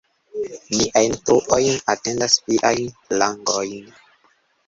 Niaj truoj atendas viajn langojn“.